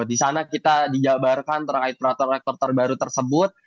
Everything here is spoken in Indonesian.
di sana kita dijabarkan terkait peraturan rektor terbaru tersebut